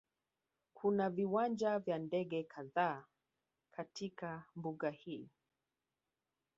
Kuna viwanja vya ndege kadhaa katika mbuga hii